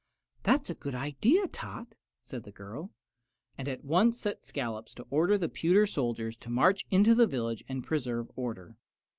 "That's a good idea, Tot," said the girl, and at once sent Scollops to order the pewter soldiers to march into the village and preserve order.